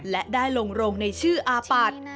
และได้ลงโรงในชื่ออาปัตย์